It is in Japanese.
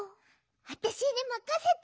わたしにまかせて！